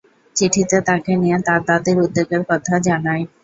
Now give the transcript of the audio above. চিঠিতে তাকে নিয়ে তার দাদীর উদ্বেগের কথা জানায়।